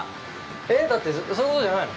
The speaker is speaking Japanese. ◆えっ、だってそういうことじゃないの。